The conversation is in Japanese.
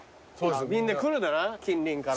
みんな来るんだな近隣から。